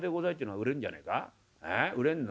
「売れんの？